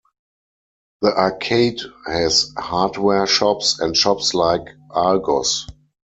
The arcade has hardware shops and shops like Argos.